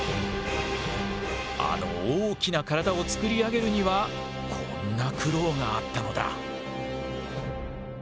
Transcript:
あの大きな体を作り上げるにはこんな苦労があったのだ。